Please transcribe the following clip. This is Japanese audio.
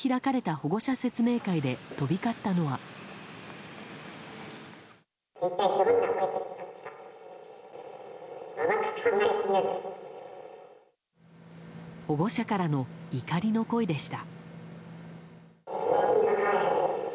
保護者からの怒りの声でした。